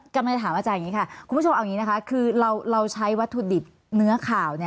กำลังจะถามอาจารย์อย่างนี้ค่ะคุณผู้ชมเอาอย่างนี้นะคะคือเราใช้วัตถุดิบเนื้อข่าว